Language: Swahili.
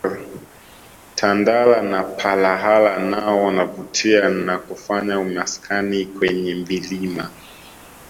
Tandala na palahala nao wanavutia na kufanya maskani kwenye vilima